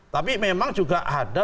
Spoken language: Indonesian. tapi memang juga ada